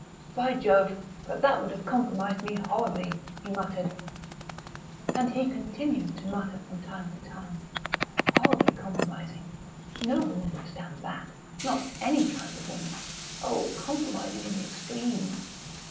"By Jove, but that would have compromised me horribly!" he muttered.... And he continued to mutter from time to time, "Horribly compromising ... no woman would stand that ... not any kind of woman ... oh, compromising in the extreme!"